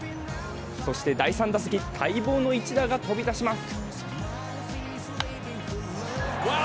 そして第３打席、待望の一打が飛び出します。